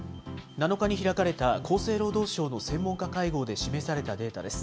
７日に開かれた厚生労働省の専門家会合で示されたデータです。